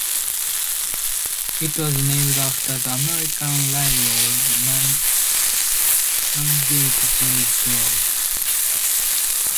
It was named after the American railroad magnate Jay Gould.